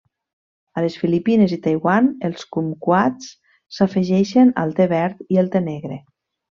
A les Filipines i Taiwan els cumquats s'afegeixen al te verd i el te negre.